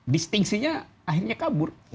distingsinya akhirnya kabur